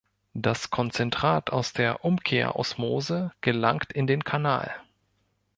Das Konzentrat aus der Umkehrosmose gelangt in den Kanal.